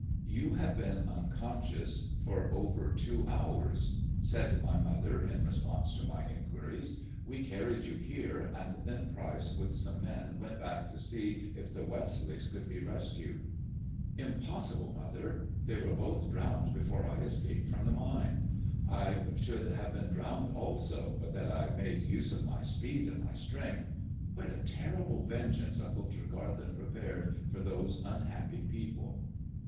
" You have been unconscious for over two hours," said <." I npidl; clambered up the rope UiiM," ) r .iit . t .■ i THE DEAD MAN'S DIAMONDS 217 my mother in response to my inquiries ;" we carried you here, and then Pryce with some men went back to see if the Westleighs could be rescued." " Impossible, mother ! They were both drowned before I escaped from the mine. I should have been drowned also, but that I made use of my speed and my strength. What a terrible vengeance Uncle Tregarthen prepared for those unhappy people."